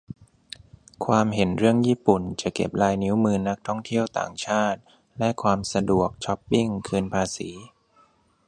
ความเห็นเรื่อง ญี่ปุ่นจะเก็บลายนิ้วมือนักท่องเที่ยวต่างชาติ แลกความสะดวก ช็อปปิ้ง คืนภาษี